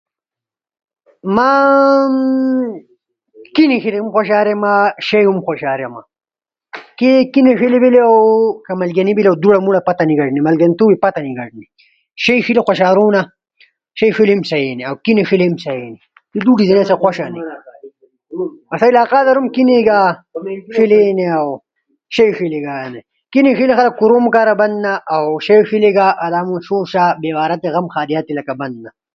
ما کینی ݜیلی ہم خوشاریما، شوئ ݜیلے ہم خوشاریما۔ کے کیمے ݜیلے کہ ملگینی بیلو دوڑا شڑا پتہ نی گھٹنی۔ ملگن توبے پتہ نی گھٹنی۔ شئی ݜیلے خوشارونا، شئی ݜیلے ہم سہی ہنی اؤ کیمے ݜیلے ہم سہی ہنی۔ بوٹی آسو تی خوش ہنی۔ آسئی علاقہ در ہم کیمے گا ݜیلے گا اؤ ہم خوشارونا۔ کیم ے کوروم گا بننا اؤ شئی ݜیلے لکہ شوشا کارا بننا۔ خلق غم خادیا در استعمال تھینا یا بازار کئی گؤ نو استعمال تھونا۔ در مانوڙ ضون پشن بینو اولی خوشرون اشی ݜلی ہم خوشرون